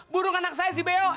burung anak saya si beo